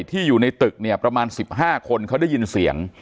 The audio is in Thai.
ที่อยู่ในตึกเนี่ยประมาณ๑๕คนเขาได้ยินเสียง